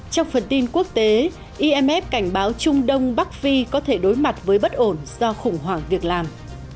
trong phần tin quốc tế imf cảnh báo trung đông bắc phi có thể đối mặt với bất ổn do khủng hoảng việc làm